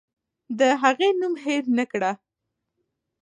د هغې نوم هېر نکړه.